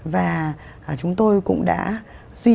và chúng tôi cũng đã duy trì và phát huy cái vai trò